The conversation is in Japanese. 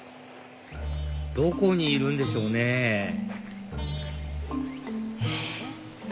どこにいるんでしょうねえっ？